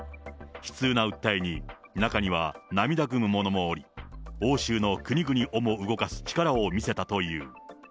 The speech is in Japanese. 悲痛な訴えに、中には涙ぐむ者もおり、欧州の国々をも動かす力を見せたという。